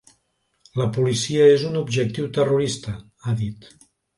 La policia és un objectiu terrorista, ha dit.